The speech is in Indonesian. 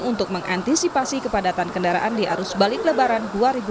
untuk mengantisipasi kepadatan kendaraan di arus balik lebaran dua ribu dua puluh